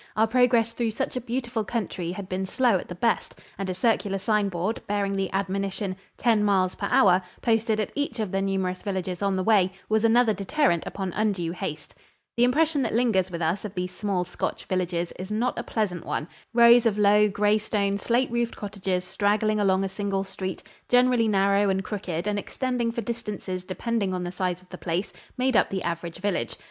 Our progress through such a beautiful country had been slow at the best, and a circular sign board, bearing the admonition, "Ten Miles Per Hour," posted at each of the numerous villages on the way, was another deterrent upon undue haste. The impression that lingers with us of these small Scotch villages is not a pleasant one. Rows of low, gray stone, slate roofed cottages straggling along a single street generally narrow and crooked and extending for distances depending on the size of the place made up the average village.